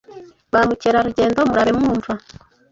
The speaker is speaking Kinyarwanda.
Ba mucyerarugendo murabe mwumva